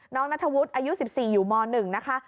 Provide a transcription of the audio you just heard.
น้องนาธะวุธอายุ๑๔อยู่ม๑นะคะ